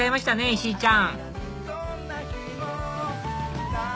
石井ちゃん！